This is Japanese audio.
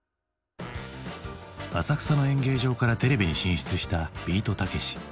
浅草の演芸場からテレビに進出したビートたけし。